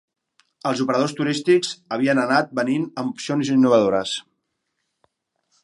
Els operadors turístics havien anat venint amb opcions innovadores.